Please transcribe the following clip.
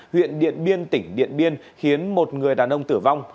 huyện điện biên tỉnh điện biên khiến một người đàn ông tử vong